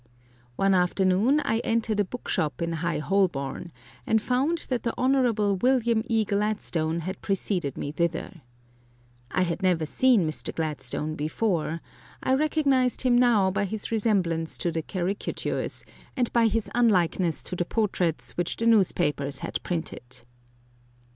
One afternoon I entered a book shop in High Holborn, and found that the Hon. William E. Gladstone had preceded me thither. I had never seen Mr. Gladstone before. I recognized him now by his resemblance to the caricatures, and by his unlikeness to the portraits which the newspapers had printed.